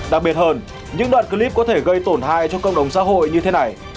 đặc biệt hơn những đoạn clip có thể gây tổn thai cho công đồng xã hội như thế này